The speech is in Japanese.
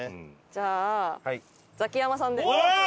じゃあザキヤマさんで。